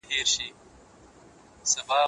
فعالیت د بدن ځواک لوړوي.